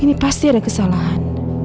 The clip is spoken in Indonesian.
ini pasti ada kesalahan